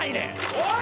おい！